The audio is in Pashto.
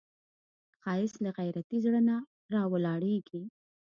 ښایست له غیرتي زړه نه راولاړیږي